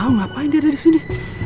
gak tau ngapain dia ada disini